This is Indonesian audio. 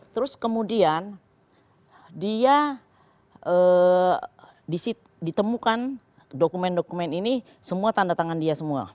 terus kemudian dia ditemukan dokumen dokumen ini semua tanda tangan dia semua